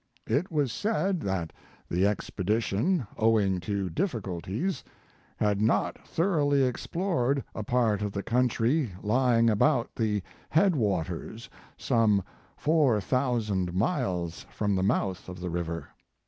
It was said that the expedition, owing to difficulties, had not thoroughly explored a part of the country lying about the head waters, some four thousand miles from the mouth of the river.